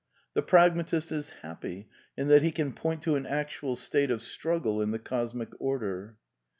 The pragmatist is happy in that he can point to an actual state of struggle in the cosmic order.